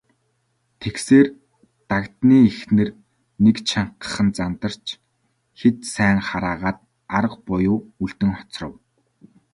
Тэгсээр, Дагданы эхнэр нэг чангахан зандарч хэд сайн хараагаад арга буюу үлдэн хоцров.